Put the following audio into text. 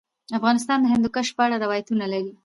افغانستان د هندوکش په اړه روایتونه لري.